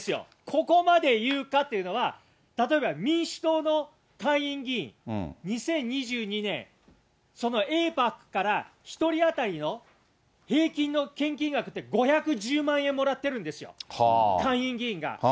ここまで言うかっていうのは、例えば民主党の下院議員、２０２２年、そのエイパックから１人当たりの平均の献金額って５１０万円もらってるんですよ、下院議員が。